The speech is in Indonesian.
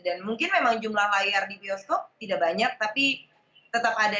dan mungkin memang jumlah layar di bioskop tidak banyak tapi tetap ada